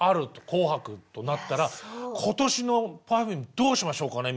「紅白」となったら今年のＰｅｒｆｕｍｅどうしましょうかね？